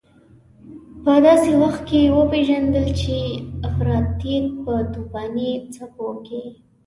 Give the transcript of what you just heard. په داسې وخت کې وپېژندل چې د افراطيت په توپاني څپو کې.